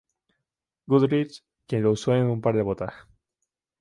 Goodrich, quien lo usó en un par de botas.